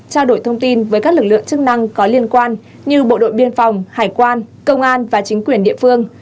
trao đổi thông tin với các lực lượng chức năng có liên quan như bộ đội biên phòng hải quan công an và chính quyền địa phương